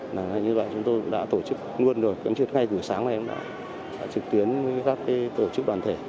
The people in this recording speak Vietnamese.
như vậy chúng tôi đã tổ chức luôn rồi cũng như ngày buổi sáng này cũng đã trực tuyến với các tổ chức đoàn thể